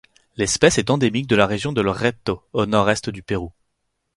L'espèce est endémique de la région de Loreto au nord-est du Pérou.